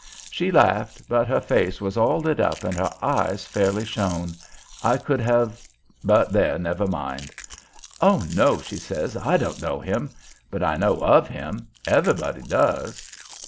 She laughed, but her face was all lit up and her eyes fairly shone. I could have but there! never mind. "Oh, no," she says, "I don't know him, but I know of him everybody does."